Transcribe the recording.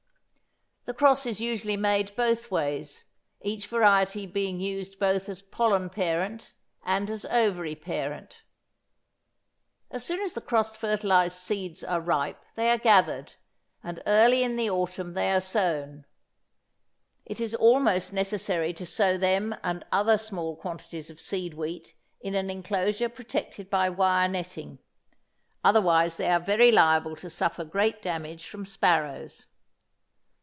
The cross is usually made both ways, each variety being used both as pollen parent and as ovary parent. As soon as the cross fertilised seeds are ripe they are gathered, and early in the autumn they are sown. It is almost necessary to sow them and other small quantities of seed wheat in an enclosure protected by wire netting. Otherwise they are very liable to suffer great damage from sparrows.